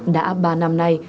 đã ba năm nay